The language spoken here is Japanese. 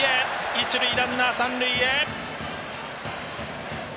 一塁ランナー、三塁へ。